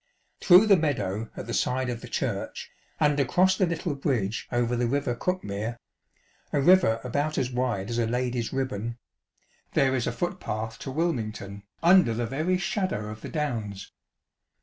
Through the meadow at the side of the church, and across the little bridge over the " River Cuckmere " ŌĆö a river about as wide as a lady's ribbon ŌĆö there is a foot path to Wilmington, under the very shadow of the Downs.